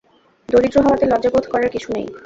দরিদ্র হওয়াতে লজ্জাবোধ করার কিছু নেই।